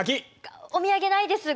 お土産ないです。